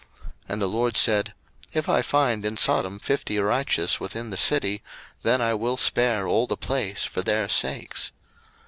01:018:026 And the LORD said, If I find in Sodom fifty righteous within the city, then I will spare all the place for their sakes.